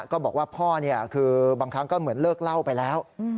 ก็บอกว่าพ่อคือบางครั้งก็เหมือนเลิกเล่าไปแล้ว